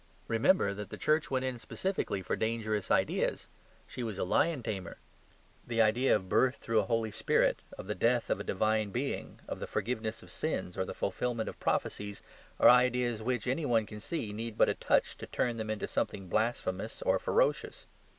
Remember that the Church went in specifically for dangerous ideas; she was a lion tamer. The idea of birth through a Holy Spirit, of the death of a divine being, of the forgiveness of sins, or the fulfilment of prophecies, are ideas which, any one can see, need but a touch to turn them into something blasphemous or ferocious.